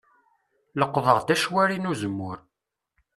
Leqḍeɣ-d acwari n uzemmur.